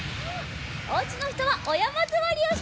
おうちのひとはおやまずわりをしてください。